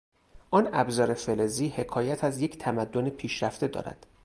آن ابزار فلزی حکایت از یک تمدن پیشرفته دارد.